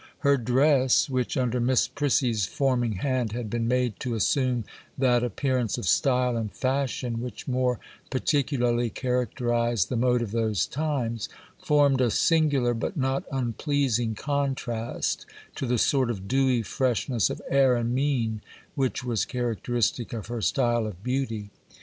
Her dress, which, under Miss Prissy's forming hand, had been made to assume that appearance of style and fashion which more particularly characterised the mode of those times, formed a singular, but not unpleasing, contrast to the sort of dewy freshness of air and mien which was characteristic of her style of beauty.